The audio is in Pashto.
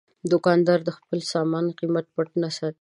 دوکاندار د خپل سامان قیمت پټ نه ساتي.